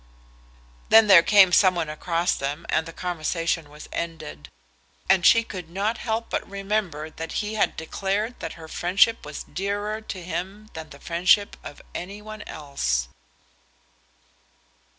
Then there came some one across them, and the conversation was ended; but the sound of his voice remained on her ears, and she could not help but remember that he had declared that her friendship was dearer to him than the friendship of any one else.